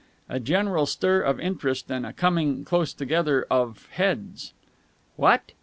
A general stir of interest and a coming close together of heads. "What!